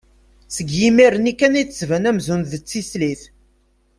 Seg yimir-nni i d-tettban amzun d tislit.